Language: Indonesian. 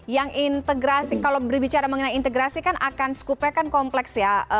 yang integrasi kalau berbicara mengenai integrasi kan akan skupnya kan kompleks ya